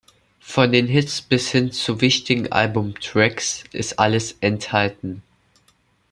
Von den Hits bis hin zu wichtigen Album-Tracks ist alles enthalten.